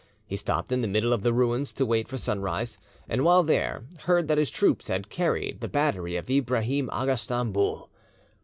He stopped in the middle of the ruins to wait for sunrise, and while there heard that his troops had carried the battery of Ibrahim Aga Stamboul.